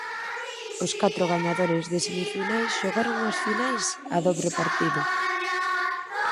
Os catro gañadores de semifinais xogaron as finais a dobre partido.